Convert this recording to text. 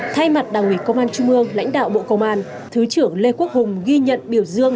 thay mặt đảng ủy công an trung ương lãnh đạo bộ công an thứ trưởng lê quốc hùng ghi nhận biểu dương